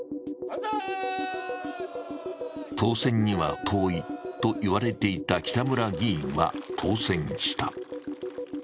当選には遠いといわれていた北村議員は当選した。